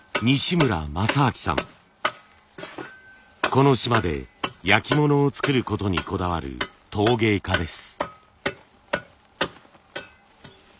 この島で焼き物を作ることにこだわる陶芸家です。